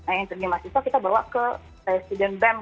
yang terjadi mahasiswa kita bawa ke presiden bem